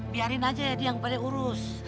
biarin aja ya diang pada urus